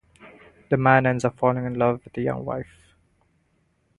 The man ends up falling in love with the young wife.